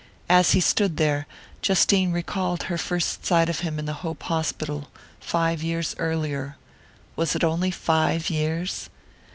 As he stood there, Justine recalled her first sight of him in the Hope Hospital, five years earlier was it only five years?